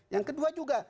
yang kedua juga